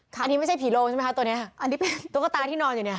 อันนี้ไม่ใช่ผีโลงใช่ไหมคะตัวเนี้ยอันนี้เป็นตุ๊กตาที่นอนอยู่เนี่ย